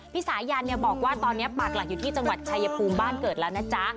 สายันบอกว่าตอนนี้ปากหลักอยู่ที่จังหวัดชายภูมิบ้านเกิดแล้วนะจ๊ะ